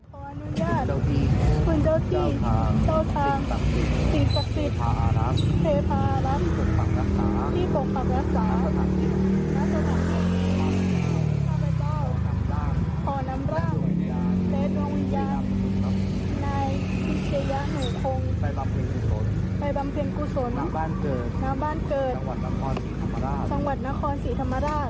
ไปบำเพียงกุศลน้ำบ้านเกิดชังหวัดนครศรีธรรมราช